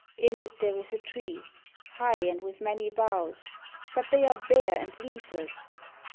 In it there is a tree, High and with many boughs, But they are bare and leafless.